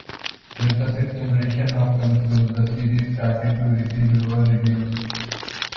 With the sixth generation of consoles the series started to receive lower reviews.